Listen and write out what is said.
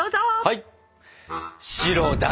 はい！